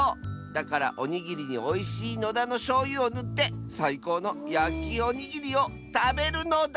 だからおにぎりにおいしい野田のしょうゆをぬってさいこうのやきおにぎりをたべるのだ！